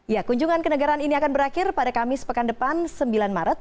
ya kunjungan ke negara ini akan berakhir pada kamis pekan depan sembilan maret